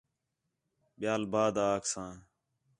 ٻِیال بعد اکساں